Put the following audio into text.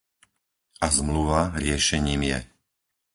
A Zmluva riešením je.